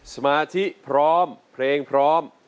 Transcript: สมาธิพร้อมเพลงพร้อม